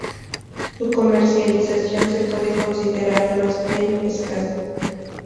Su comercialización se puede considerar más bien escasa.